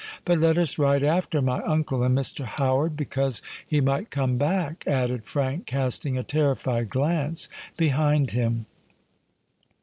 But let us ride after my uncle and Mr. Howard—because he might come back," added Frank, casting a terrified glance behind him.